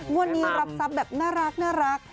วันนี้รับทรัพย์แบบน่ารัก